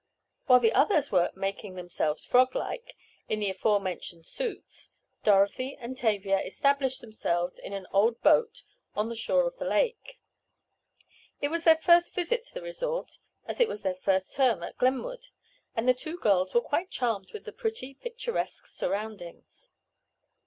While the others were "making themselves frog like" in the aforementioned suits, Dorothy and Tavia established themselves in an old boat on the shore of the lake. It was their first visit to the resort as it was their first summer term at Glenwood, and the two girls were charmed with the pretty, picturesque surroundings.